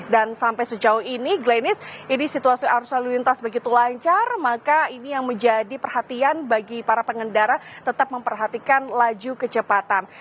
dan sampai sejauh ini glenis ini situasi arus lalu lintas begitu lancar maka ini yang menjadi perhatian bagi para pengendara tetap memperhatikan laju kecepatan